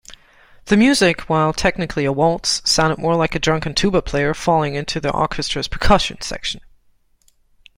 The music, while technically a waltz, sounded more like a drunken tuba player falling into the orchestra's percussion section.